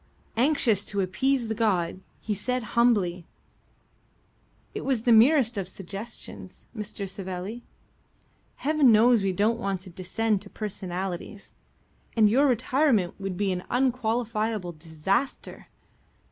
Anxious to appease the god, he said humbly: "It was the merest of suggestions, Mr. Savelli. Heaven knows we don't want to descend to personalities, and your retirement would be an unqualifiable disaster.